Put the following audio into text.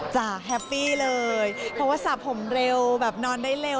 แฮปปี้เลยเพราะว่าสระผมเร็วแบบนอนได้เร็ว